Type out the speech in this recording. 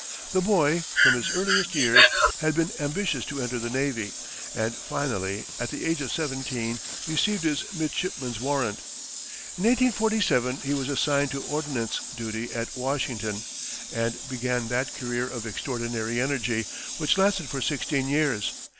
The boy, from his earliest years, had been ambitious to enter the navy, and finally, at the age of seventeen, received his midshipman's warrant. In 1847, he was assigned to ordnance duty at Washington, and began that career of extraordinary energy, which lasted for sixteen years.